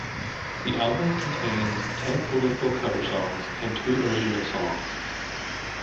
The album contains ten political cover songs, and two original songs.